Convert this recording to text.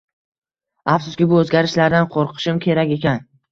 Afsuski, bu o`zgarishlardan qo`rqishim kerak ekan